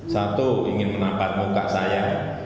satu ingin menampar muka saya